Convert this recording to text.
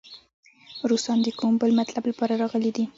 روسان د کوم بل مطلب لپاره راغلي دي.